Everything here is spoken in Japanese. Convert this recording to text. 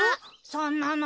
そんなの！